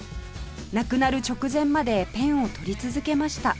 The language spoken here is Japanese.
亡くなる直前までペンを執り続けました